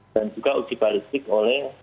dan juga uji balistik oleh